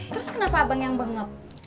terus kenapa abang yang bengep